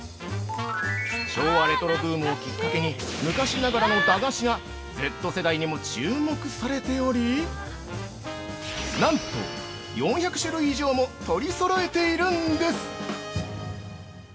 昭和レトロブームをきっかけに昔ながらの駄菓子がＺ世代にも注目されておりなんと４００種類以上も取りそろえているんです。